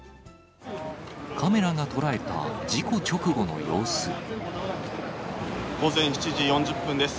カメラが捉えた事故直後の様午前７時４０分です。